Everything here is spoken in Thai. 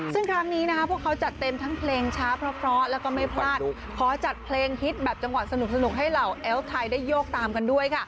ซึ่งครั้งนี้นะคะพวกเขาจัดเต็มทั้งเพลงช้าเพราะแล้วก็ไม่พลาดขอจัดเพลงฮิตแบบจังหวะสนุกให้เหล่าแอ้วไทยได้โยกตามกันด้วยค่ะ